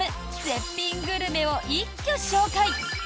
絶品グルメを一挙紹介！